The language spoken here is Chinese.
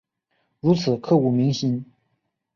如此刻骨铭心